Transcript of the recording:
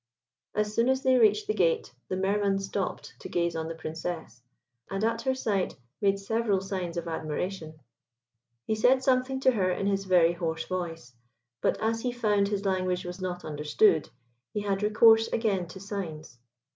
As soon as they reached the gate, the Mer man stopped to gaze on the Princess, and at her sight made several signs of admiration. He said something to her in a very hoarse voice; but as he found his language was not understood, he had recourse again to signs.